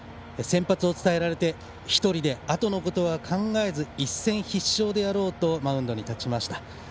先発を伝えられて１人であとのことは考えず、一戦必勝でやろうとマウンドに立ちました。